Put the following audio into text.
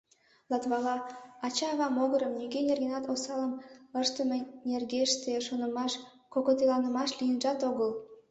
Латвала ача-ава могырым нигӧ нергенат осалым ыштыме нергеште шонымаш-кокытеланымаш лийынжат огыл.